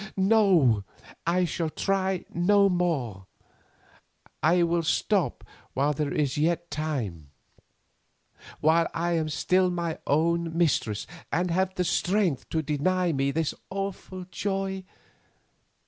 NO, I shall try no more; I will stop while there is yet time, while I am still my own mistress and have the strength to deny me this awful joy.